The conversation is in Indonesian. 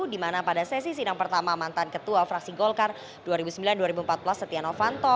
di mana pada sesi sidang pertama mantan ketua fraksi golkar dua ribu sembilan dua ribu empat belas setia novanto